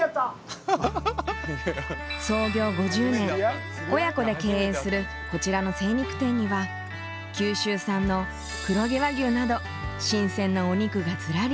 創業５０年親子で経営するこちらの精肉店には九州産の黒毛和牛など新鮮なお肉がずらり。